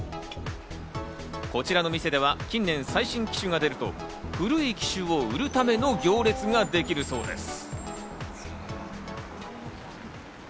こちらの店では近年、最新機種が出ると古い機種を売るための行列ができるそうです。